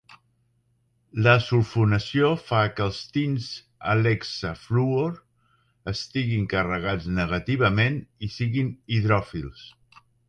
La sulfonació fa que els tints Alexa Fluor estiguin carregats negativament i siguin hidròfils.